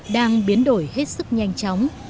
đang biến đổi hết sức nhanh chóng